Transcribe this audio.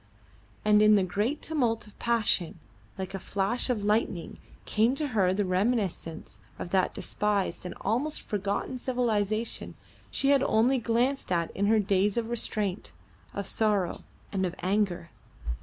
And in the great tumult of passion, like a flash of lightning came to her the reminiscence of that despised and almost forgotten civilisation she had only glanced at in her days of restraint, of sorrow, and of anger.